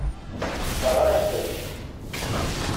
Ɣriɣ-tent.